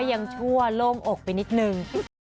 ก็ยังชั่วโล่งอกไปนิดหนึ่ง